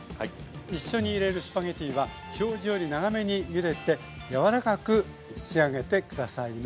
一緒に入れるスパゲッティは表示より長めにゆでて柔らかく仕上げて下さいね。